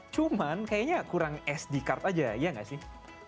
cuman kayaknya kurang sd card aja iya nggak sih